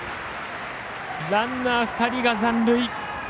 ランナー２人が残塁。